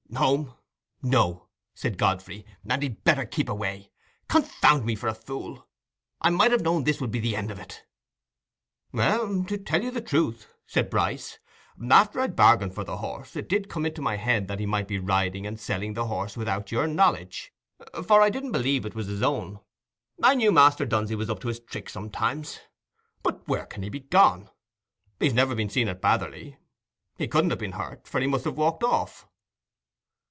"Home? no," said Godfrey, "and he'd better keep away. Confound me for a fool! I might have known this would be the end of it." "Well, to tell you the truth," said Bryce, "after I'd bargained for the horse, it did come into my head that he might be riding and selling the horse without your knowledge, for I didn't believe it was his own. I knew Master Dunsey was up to his tricks sometimes. But where can he be gone? He's never been seen at Batherley. He couldn't have been hurt, for he must have walked off."